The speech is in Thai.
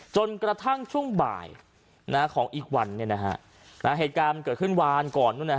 จนกระทั่งช่วงบ่ายของอีกวันเหตุการณ์มันเกิดขึ้นวานก่อน